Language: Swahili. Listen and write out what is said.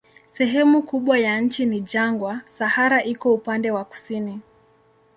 Sehemu kubwa ya nchi ni jangwa, Sahara iko upande wa kusini.